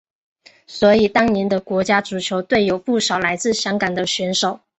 所以当年的国家足球队有不少来自香港的选手。